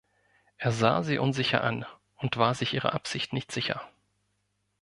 Er sah sie unsicher an und war sich ihrer Absicht nicht sicher.